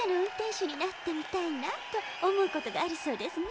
しゅになってみたいなとおもうことがあるそうですね。